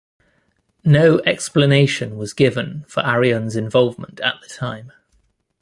No explanation was given for Arion's involvement at the time.